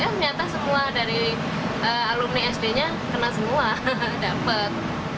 ternyata semua dari alumni sd nya kena semua dapat